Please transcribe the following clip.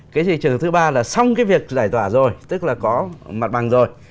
cái trường hợp thứ ba là xong cái việc giải tỏa rồi tức là có mặt bằng rồi